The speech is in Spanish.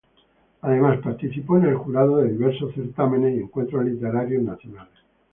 Además, participó en el jurado de diversos certámenes y encuentros literarios nacionales.